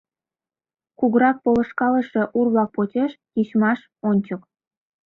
— Кугурак полышкалыше, ур-влак почеш — тичмаш ончык!